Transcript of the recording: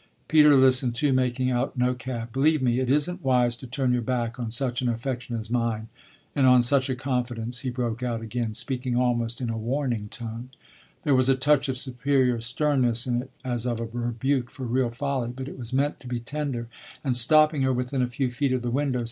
Peter listened too, making out no cab. "Believe me, it isn't wise to turn your back on such an affection as mine and on such a confidence," he broke out again, speaking almost in a warning tone there was a touch of superior sternness in it, as of a rebuke for real folly, but it was meant to be tender and stopping her within a few feet of the window.